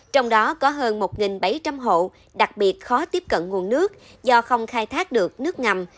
trong đó có hơn một bảy trăm linh hộ đặc biệt khó tiếp cận nguồn nước do không khai thác được nước ngầm